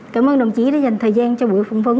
cảm ơn đồng chí đã dành thời gian cho buổi phỏng vấn